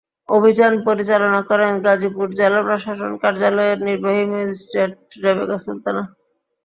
অভিযান পরিচালনা করেন গাজীপুর জেলা প্রশাসন কার্যালয়ের নির্বাহী ম্যাজিস্ট্রেট রেবেকা সুলতানা।